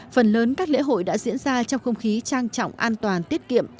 phần lớn các lễ hội đã diễn ra trong không khí trang trọng an toàn tiết kiệm